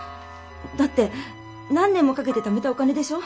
だって何年もかけてためたお金でしょ？